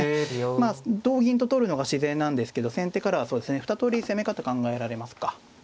まあ同銀と取るのが自然なんですけど先手からは２通り攻め方考えられますか。